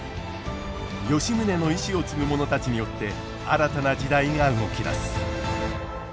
吉宗の遺志を継ぐ者たちによって新たな時代が動き出す。